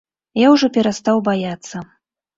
Я ўжо перастаў баяцца.